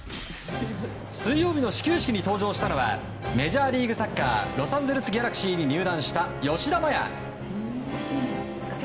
水曜日の始球式に登場したのはメジャーリーグサッカーロサンゼルス・ギャラクシーに入団した吉田麻也。